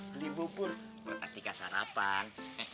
beli bubur buat ketika sarapan